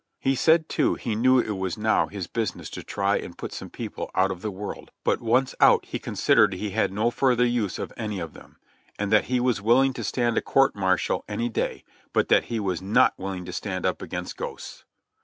He said too he knew it was now his business to try and put some people out of the world, but once out, he considered he had no further use for any of them; and that he was willing to stand a court martial any day, but that he was not willing to stand up against ghosts.